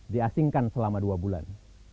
diasingkan selama dua bulan